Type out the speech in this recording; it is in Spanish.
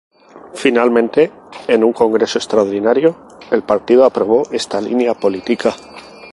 Finalmente, en un congreso extraordinario, el partido aprobó esta línea política.